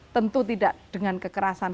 tentu tidak dengan kekerasan